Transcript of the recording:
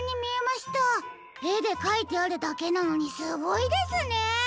えでかいてあるだけなのにすごいですね。